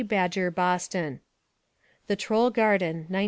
Badger, Boston. The Troll Garden, 1905.